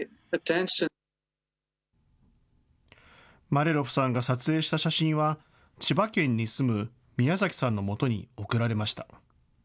マリャロフさんが撮影した写真は、千葉県に住むミヤザキさんのもとに送られました。